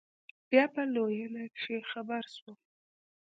بيا په لوېينه کښې خبر سوم.